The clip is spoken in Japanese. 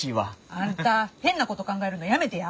あんた変なこと考えるのやめてや！